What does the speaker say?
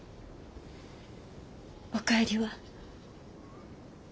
お帰りは。